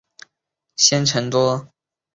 因此李镒完全无法得到有关日军的情报。